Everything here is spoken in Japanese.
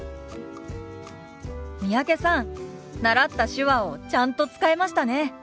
三宅さん習った手話をちゃんと使えましたね。